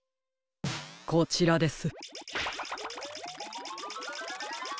こちらです。